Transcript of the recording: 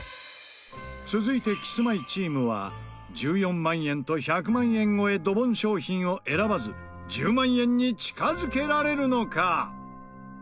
続いてキスマイチームは１４万円と１００万円超えドボン商品を選ばず１０万円に近づけられるのか？